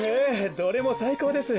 どれもさいこうです。